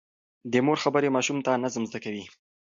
د مور خبرې ماشوم ته نظم زده کوي.